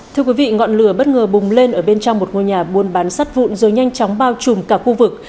thưa quý vị ngọn lửa bất ngờ bùng lên ở bên trong một ngôi nhà buôn bán sắt vụn rồi nhanh chóng bao trùm cả khu vực